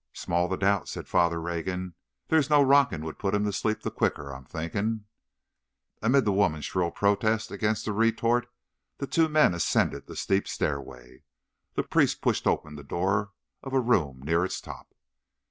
"Small the doubt," said Father Rogan. "There's no rocking would put him to slape the quicker, I'm thinking." Amid the woman's shrill protest against the retort, the two men ascended the steep stairway. The priest pushed open the door of a room near its top.